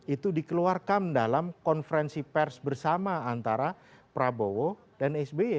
itu dikeluarkan dalam konferensi pers bersama antara prabowo dan sby